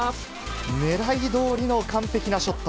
狙いどおりの完璧なショット。